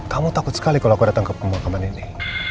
kamu takut sekali kalau aku datang ke pemakaman ini